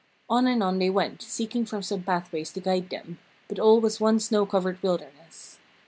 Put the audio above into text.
On and on they went, seeking for some pathway to guide them, but all was one snow covered wilderness.